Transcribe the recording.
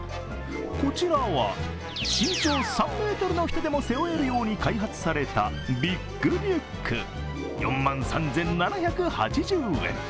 こちらは、身長３ｍの人でも背負えるように開発されたビッグリュック４万３７８０円。